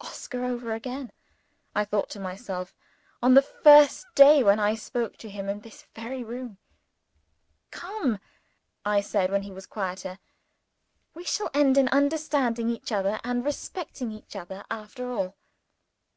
"Oscar over again," I thought to myself, "on the first day when I spoke to him in this very room!" "Come!" I said, when he was quieter. "We shall end in understanding each other and respecting each other after all."